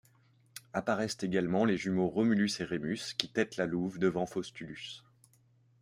Apparaissent également les jumeaux Romulus et Rémus qui tètent la Louve devant Faustulus.